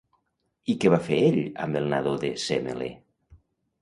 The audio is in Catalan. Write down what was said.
I què va fer ell amb el nadó de Sèmele?